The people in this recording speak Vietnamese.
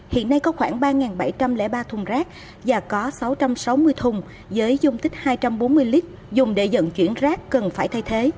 hiện nay có khoảng ba bảy trăm linh ba thùng rác và có sáu trăm sáu mươi thùng với dung tích hai trăm bốn mươi lít dùng để dẫn chuyển rác cần phải thay thế